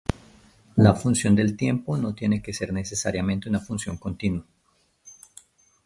La función del tiempo no tiene que ser necesariamente una función continua.